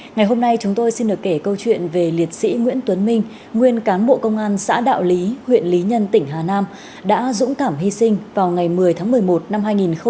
ngày hôm nay chúng tôi xin được kể câu chuyện về liệt sĩ nguyễn tuấn minh nguyên cán bộ công an xã đạo lý huyện lý nhân tỉnh hà nam đã dũng cảm hy sinh vào ngày một mươi tháng một mươi một năm hai nghìn hai mươi ba